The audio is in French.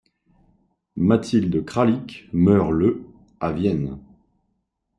Mathilde Kralik meurt le à Vienne.